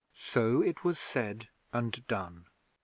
So it was said and done.